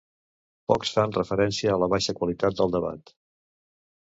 pocs fan referència a la baixa qualitat del debat